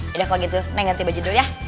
ya udah kalau gitu neng ganti baju dulu ya